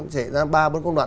chảy ra ba bốn công đoạn